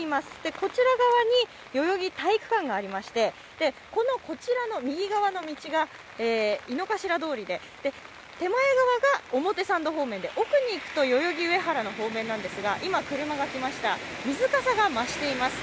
こちら側に代々木体育館がありましてこちらの右側の道が井の頭通りで手前側が表参道方面で、奥に行くと代々木上原の方面なんですが、今、車が来ました水かさが増しています。